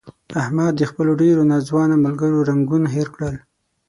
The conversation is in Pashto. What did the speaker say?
احمد د خپلو ډېرو ناځوانه ملګرو رنګون هیر کړل.